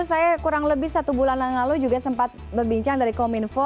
saya kurang lebih satu bulan yang lalu juga sempat berbincang dari kominfo